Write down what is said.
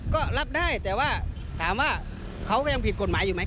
ก็รับได้แต่ว่าถามว่าเขาก็ยังผิดกฎหมายอยู่ไหม